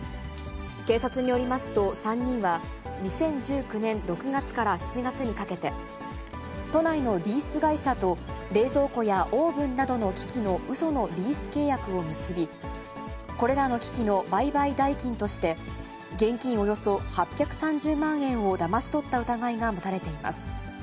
警察によりますと３人は、２０１９年６月から７月にかけて、都内のリース会社と冷蔵庫やオーブンなどの機器のうそのリース契約を結び、これらの機器の売買代金として、現金およそ８３０万円をだまし取った疑いが持たれています。